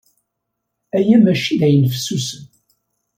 Aya maci d ayen fessusen.